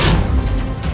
kau tidak bisa membedakan